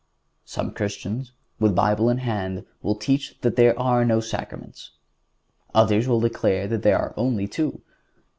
Some Christians, with Bible in hand, will teach that there are no sacraments. Others will say that there are only two.